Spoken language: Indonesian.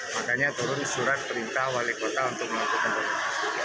makanya turun surat perintah wali kota untuk melakukan pemeriksaan